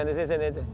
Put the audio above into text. って。